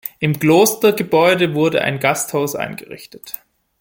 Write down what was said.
Im Klostergebäude wurde ein Gasthaus eingerichtet.